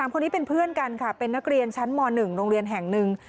คนนี้เป็นเพื่อนกันค่ะเป็นนักเรียนชั้นม๑โรงเรียนแห่งหนึ่ง